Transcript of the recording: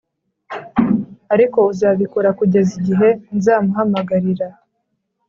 ariko uzabikora, kugeza igihe nzamuhamagarira,